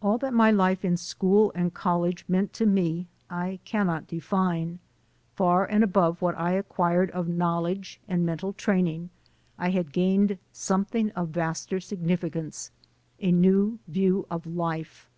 All that my life in school and college meant to me, I cannot define. Far above what I acquired of knowledge and mental training, I had gained something of vaster significance: a new view of life.